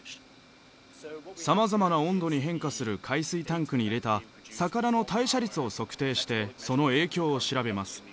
様々な温度に変化する海水タンクに入れた魚の代謝率を測定してその影響を調べます。